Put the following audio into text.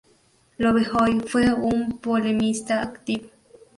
Lovejoy fue un polemista activo.